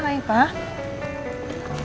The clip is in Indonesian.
pak hai pak